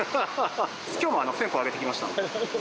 きょうも線香あげてきました。